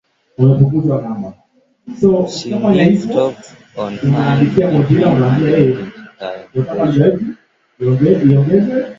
She gives talks on science fiction and digitization.